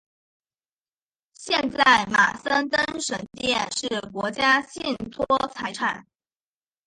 现在马森登神殿是国家信托财产。